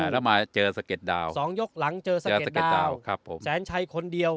แล้วมาเจอสะเก็ดดาวน์สองยกหลังเจอสะเก็ดดาวน์ครับผมแสนชัยคนเดียว